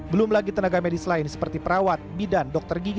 belum lagi tenaga medis lain seperti perawat bidan dokter gigi